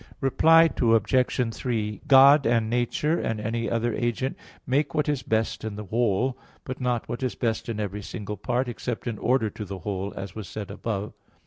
Reply Obj. 3: God and nature and any other agent make what is best in the whole, but not what is best in every single part, except in order to the whole, as was said above (Q.